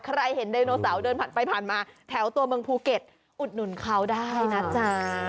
ใครเห็นไดโนเสาร์เดินผ่านไปผ่านมาแถวตัวเมืองภูเก็ตอุดหนุนเขาได้นะจ๊ะ